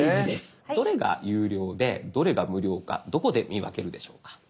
どれが有料でどれが無料かどこで見分けるでしょうか？